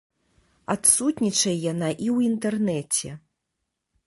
Адсутнічае яна і ў інтэрнэце.